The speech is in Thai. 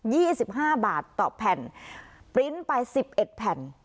สิบห้าบาทต่อแผ่นปริ้นต์ไปสิบเอ็ดแผ่น